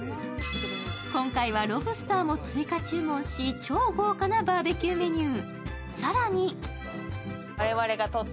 今回はロブスターも追加注文し、超豪華なバーベキューメニュー。